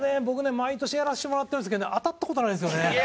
僕ね毎年やらせてもらってるんですけどね当たった事ないんですよね。